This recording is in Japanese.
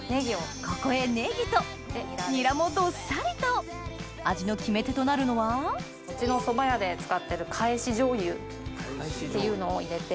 ここへネギとニラもどっさりと味の決め手となるのはうちのそば屋で使ってるかえし醤油っていうのを入れて。